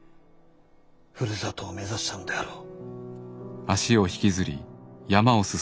ふるさとを目指したのであろう。